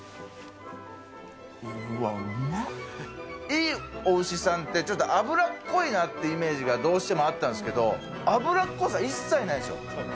ええお牛さんって、ちょっと脂っこいなっていうイメージが、どうしてもあったんですけど、脂っこさ、一切ないんですよ。